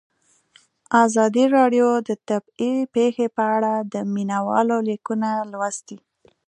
ازادي راډیو د طبیعي پېښې په اړه د مینه والو لیکونه لوستي.